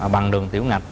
bằng đường tiểu ngạch